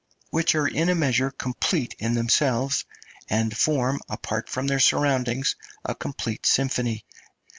which are in a measure complete in themselves, and form, apart from their surroundings, a complete symphony.